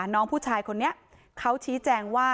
น้องผู้ชายคนนี้เขาชี้แจงว่า